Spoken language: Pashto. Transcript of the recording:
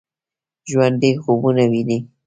ژوندي خوبونه ويني